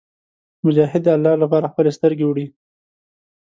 مجاهد د الله لپاره خپلې سترګې وړي.